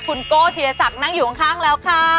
คุณโก้ธีรศักดิ์นั่งอยู่ข้างแล้วค่ะ